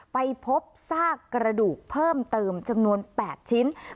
ไปพบซากกระดูกเพิ่มเติมจำนวน๘ชิ้น